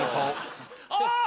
あ！